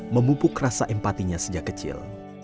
memupuk rasa empatinya sejak kecil